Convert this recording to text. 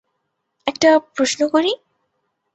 একটা প্রশ্ন করি?